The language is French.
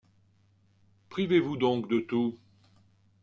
Privez-vous donc de tout !